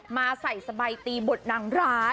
มาใส่สบายตีบทนางร้าย